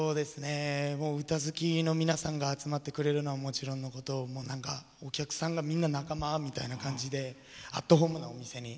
歌好きの皆さんが集まってくれるのはもちろんのことお客さんがみんな仲間みたいな感じでアットホームなお店に。